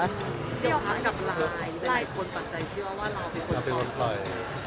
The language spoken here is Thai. หยกพักกับไลน์ไลน์คนปัจจัยเชื่อว่าเราเป็นคนซ้อนปล่อย